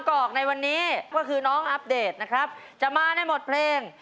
บอกให้รู้ว่าอันตรายจะเจอเธอที่ไหน